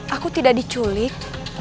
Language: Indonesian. aku tidak diculik